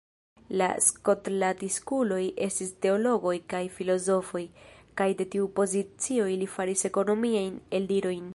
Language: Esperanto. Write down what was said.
La skolastikuloj estis teologoj kaj filozofoj, kaj de tiu pozicio ili faris ekonomiajn eldirojn.